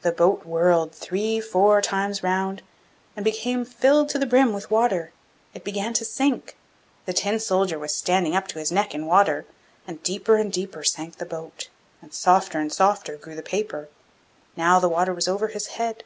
The boat whirled three, four times round, and became filled to the brim with water: it began to sink! The Tin soldier was standing up to his neck in water, and deeper and deeper sank the boat, and softer and softer grew the paper; now the water was over his head.